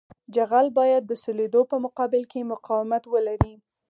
جغل باید د سولېدو په مقابل کې مقاومت ولري